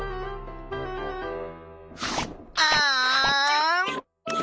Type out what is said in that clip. あん！